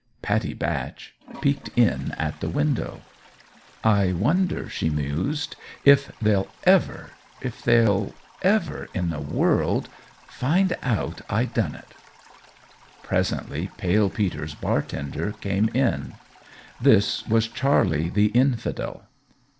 Pattie Batch peeked in at the window. "I wonder," she mused, "if they'll ever if they'll ever in the world find out I done it!" Presently Pale Peter's bartender came in. This was Charlie the Infidel.